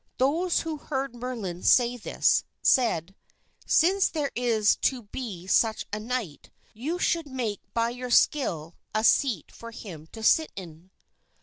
Those who heard Merlin say this, said, "Since there is to be such a knight, you should make by your skill a seat for him to sit in."